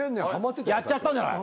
やっちゃったんじゃない？